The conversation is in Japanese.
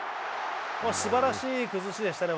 すばらしい崩しでしたね。